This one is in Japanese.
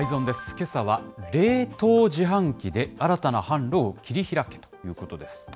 けさは冷凍自販機で新たな販路を切り開けということです。